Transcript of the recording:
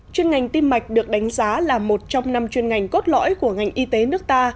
chuyên ngành tim mạch được đánh giá là một trong năm chuyên ngành cốt lõi của ngành y tế nước ta